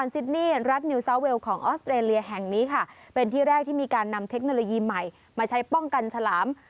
สร้างเทคโนโลยีใหม่มาใช้ป้องกันฉลาม